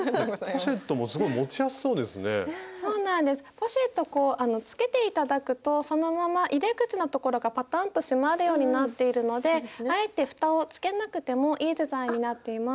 ポシェットこうつけて頂くとそのまま入れ口のところがパタンと閉まるようになっているのであえてふたをつけなくてもいいデザインになっています。